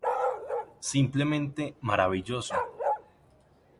Simplemente maravilloso".